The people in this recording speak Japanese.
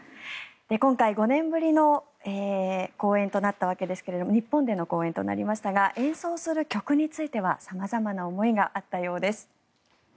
今回５年ぶりの公演となったわけですが日本での公演となりましたが演奏する曲については様々な思いがあったそうです。